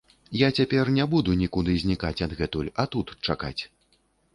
Я цяпер не буду нікуды знікаць адгэтуль, а тут чакаць.